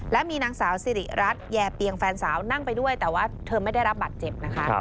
และมีนางสาวสิริรัตน์แย่เปียงแฟนสาวนั่งไปด้วยแต่ว่าเธอไม่ได้รับบัตรเจ็บนะคะ